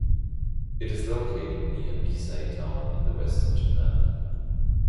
It is located near Bisei town in the western Japan.